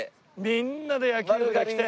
みんなで野球部で来て。